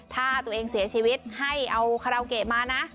ถ้าตัวเองเสียชีวิตให้เอาคาราโอเกะมานะ